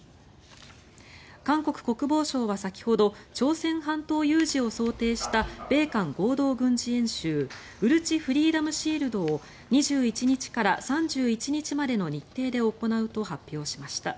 韓国国防省は先ほど朝鮮半島有事を想定した米韓合同軍事演習乙支フリーダムシールドを２１日から３１日までの日程で行うと発表しました。